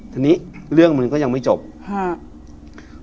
ทีนี้เรื่องมันก็ยังไม่จบครับ